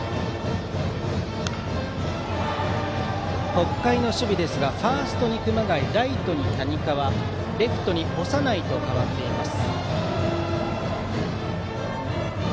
北海の守備ですがファーストに熊谷ライトに谷川レフトに長内と代わっています。